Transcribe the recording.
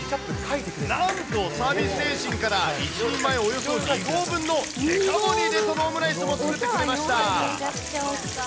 なんと、サービス精神から１人前およそ２合分のデカ盛りレトロオムライスも作ってくれました。